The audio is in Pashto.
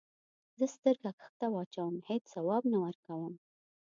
زه سترګې کښته واچوم هیڅ ځواب نه ورکوم.